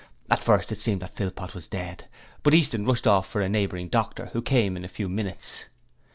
At first it seemed that Philpot was dead, but Easton rushed off for a neighbouring doctor, who came in a few minutes.